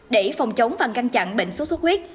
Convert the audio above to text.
để phòng chống và ngăn chặn bệnh sốt xuất huyết